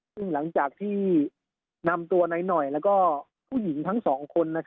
ซึ่งหลังจากที่นำตัวนายหน่อยแล้วก็ผู้หญิงทั้งสองคน